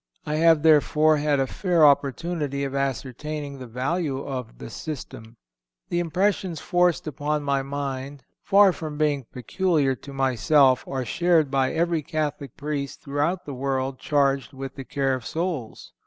I have, therefore, had a fair opportunity of ascertaining the value of the "system." The impressions forced upon my mind, far from being peculiar to myself, are shared by every Catholic Priest throughout the world charged with the care of souls.